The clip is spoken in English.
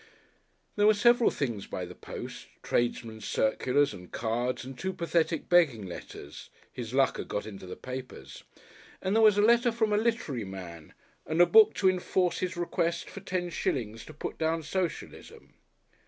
There were several things by the post, tradesmen's circulars and cards and two pathetic begging letters his luck had got into the papers and there was a letter from a literary man and a book to enforce his request for 10/ to put down Socialism.